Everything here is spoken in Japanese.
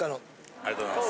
ありがとうございます。